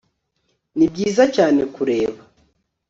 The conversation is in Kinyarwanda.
Nibyiza cyane kureba